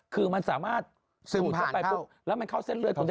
คือมันสามารถสูดเข้าไปปุ๊บแล้วมันเข้าเส้นเลือดคุณได้